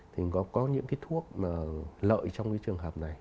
thì có những cái thuốc mà lợi trong cái trường hợp này